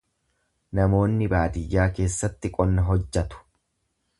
Namoonni baadiyyaa keessatti qonna hojjatu.